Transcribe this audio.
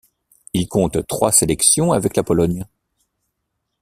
Il compte trois sélections avec la Pologne.